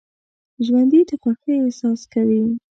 ژوندي د خوښۍ احساس کوي